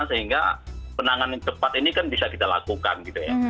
sehingga penanganan cepat ini kan bisa kita lakukan gitu ya